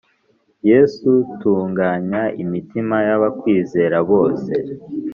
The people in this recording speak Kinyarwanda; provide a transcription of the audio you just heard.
Yesu tunganya imitima y’abakwizera bose